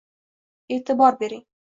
E’tibor bering